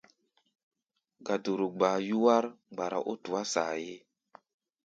Gaduru gbaa yúwár mgbara ó tuá saayé.